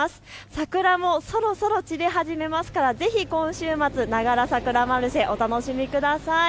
桜もそろそろ散り始めますから、ぜひ今週末ながらさくらマルシェお楽しみください。